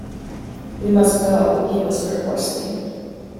"We must go," he whispered hoarsely.